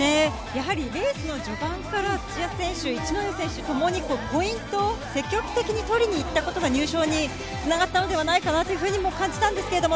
レースの序盤から土屋選手、一戸選手ともにポイントを積極的に取りに行ったことが入賞につながったのではないかなと感じました。